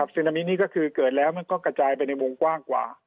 ซึนามินี่ก็คือเกิดแล้วมันก็กระจายไปในวงกว้างกว่า